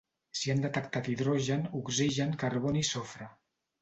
S'hi han detectat hidrogen, oxigen, carboni i sofre.